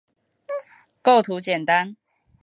构图简单